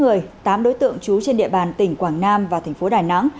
các người tám đối tượng trú trên địa bàn tỉnh quảng nam và thành phố đài nắng